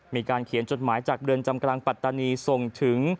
มีการเขียนจดหมายจากเรือนจำกลางปัตตานีส่งถึง